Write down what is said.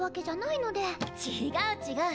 違う違う。